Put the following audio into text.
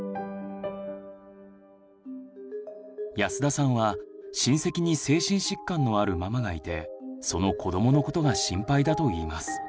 安田さんは親戚に精神疾患のあるママがいてその子どものことが心配だといいます。